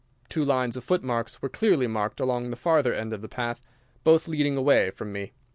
Two lines of footmarks were clearly marked along the farther end of the path, both leading away from me.